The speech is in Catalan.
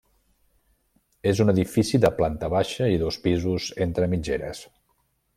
És un edifici de planta baixa i dos pisos entre mitgeres.